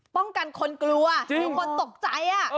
ป้องกันคนกลัวคือคนตกใจ